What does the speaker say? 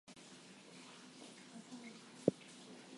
It was after midnight and pitch dark in their room.